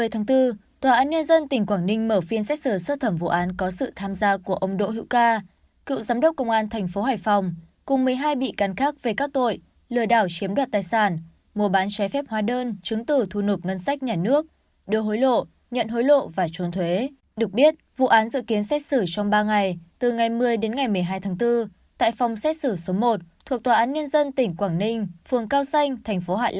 hãy đăng ký kênh để ủng hộ kênh của chúng mình nhé